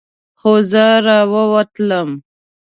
خو زه راووتلم.